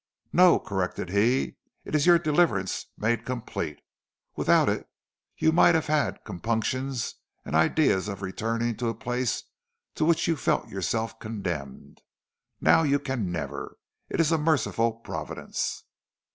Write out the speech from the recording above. "No," corrected he, "it is your deliverance made complete. Without it you might have had compunctions and ideas of returning to a place to which you felt yourself condemned. Now you never can. It is a merciful Providence."